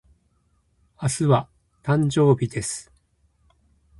明日は、誕生日です。